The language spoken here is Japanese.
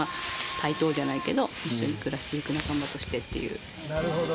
対等じゃないけど一緒に暮らしていく仲間としてっていう。